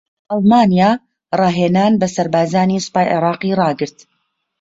ئەڵمانیا راھێنان بە سەربازانی سوپای عێراقی راگرت